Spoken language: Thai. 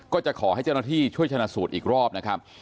ก็จะขอให้เจ้าหน้าที่ช่วยชนะสูตรอีกรอบนะครับ